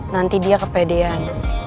nanti dia kepedean